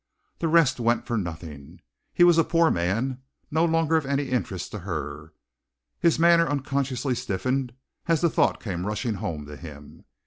The rest went for nothing. He was a poor man no longer of any interest to her! His manner unconsciously stiffened as the thought came rushing home to him.